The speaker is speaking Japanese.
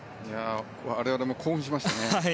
我々も興奮しましたね。